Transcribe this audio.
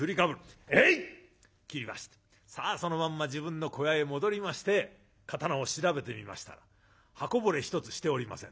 斬りましてさあそのまんま自分の小屋へ戻りまして刀を調べてみましたら刃こぼれ一つしておりません。